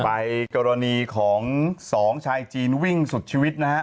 ไปกรณีของสองชายจีนวิ่งสุดชีวิตนะฮะ